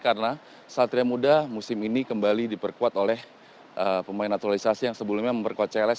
karena satria muda musim ini kembali diperkuat oleh pemain naturalisasi yang sebelumnya memperkuat cls